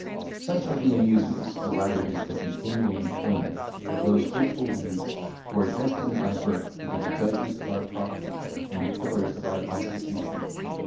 Such are the amusements, or rather such is the continual employment of those hopeful youths who are destined by birth to be the judges of our property, and pillars of our constitution.